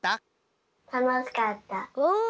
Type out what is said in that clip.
たのしかった。